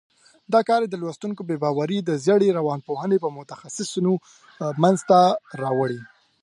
دا کار یې د لوستونکي بې باوري د زېړې روانپوهنې په متخصیصینو منځته راوړي.